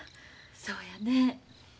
そうやね。